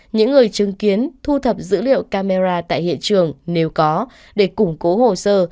những người chứng kiến thu thập dữ liệu camera tại hiện trường nếu có để củng cố hồ sơ